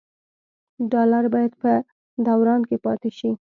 ډالر باید په دوران کې پاتې شي.